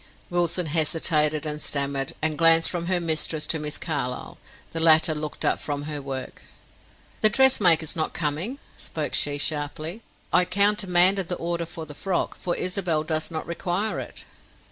Wilson hesitated and stammered, and glanced from her mistress to Miss Carlyle. The latter looked up from her work. "The dressmaker's not coming," spoke she, sharply. "I countermanded the order for the frock, for Isabel does not require it."